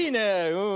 うん。